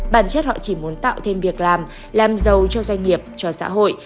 bản chất họ chỉ muốn tạo thêm việc làm làm giàu cho doanh nghiệp cho xã hội